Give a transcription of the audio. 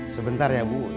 sebentar ya bu